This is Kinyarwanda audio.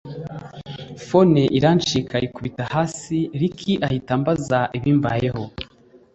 phone irancika yikubita hasi Ricky ahita ambaza ibimbayeho